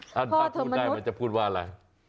ภัทรบานะก็จะพูดว่าอะไร